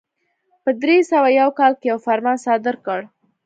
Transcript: په درې سوه یو کال کې یو فرمان صادر کړ.